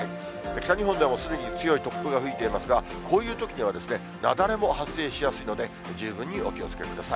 北日本でもすでに強い突風が吹いていますが、こういうときには雪崩も発生しやすいので、十分にお気をつけください。